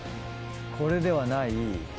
これではない。